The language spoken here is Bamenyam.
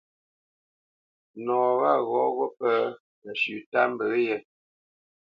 Nɔ wâ ghɔ̂ wo pə̂ məshʉ̌ tât mbə yé.